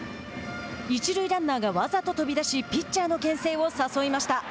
一塁ランナーがわざと飛び出しピッチャーのけん制を誘いました。